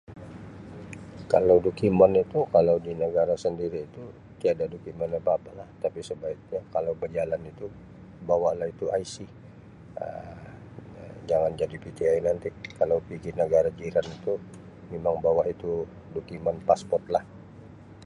Kalau dokumen itu kalau di negara sendiri tu tiada dokumen apa-apa lah tapi sebaiknya kalau bejalan itu bawa lah itu IC Um jangan jadi PTI nanti kalau pigi negara jiran itu mimang bawa itu dokumen passport lah.